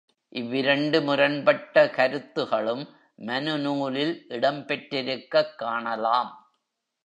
இவ்விரண்டு முரண்பட்ட கருத்துகளும் மனுநூலில் இடம்பெற்றிருக்கக் காணலாம்.